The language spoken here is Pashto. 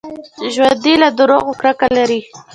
ژوندي له دروغو کرکه لري